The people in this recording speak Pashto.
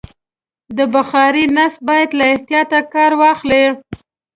د بخارۍ نصب باید له احتیاطه کار واخلي.